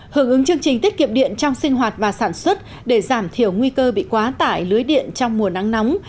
hưởng ứng chương trình tiết kiệm điện trong sinh hoạt và sản xuất để giảm thiểu nguy cơ bị quá tải lưới điện trong mùa nắng nóng